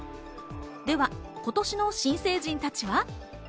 では、今年の新成人たちは？